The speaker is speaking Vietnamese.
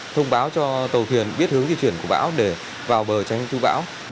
thông báo cho tàu thuyền biết hướng di chuyển của bão để vào bờ tránh chú bão